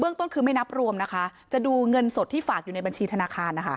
ต้นคือไม่นับรวมนะคะจะดูเงินสดที่ฝากอยู่ในบัญชีธนาคารนะคะ